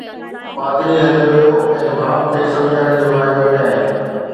پادري هليو ويو ۽ ڀاءُ کي سمجهائڻ جو واعدو ڪيائين.